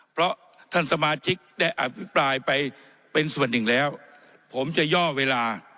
เพราะท่านสมาชิกได้อภิปรายไปเป็นส่วนหนึ่งแล้วผมจะย่อเวลา